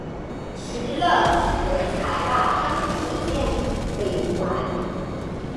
石勒只得采纳张宾的建议北还。